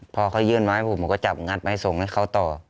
พอเขายื่นไม้ผมผมก็จับงัดไม้ส่งให้เขาต่อ